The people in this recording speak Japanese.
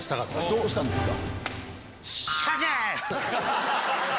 どうしたんですか？